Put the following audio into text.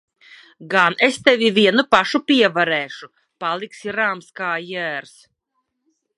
Gan es tevi vienu pašu pievarēšu! Paliksi rāms kā jērs.